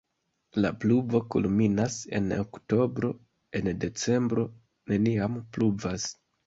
La pluvo kulminas en oktobro, en decembro neniam pluvas.